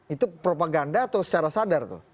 itu propaganda atau secara sadar tuh